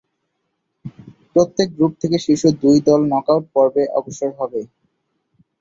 প্রত্যেক গ্রুপ থেকে শীর্ষ দুই দল নক-আউট পর্বে অগ্রসর হবে।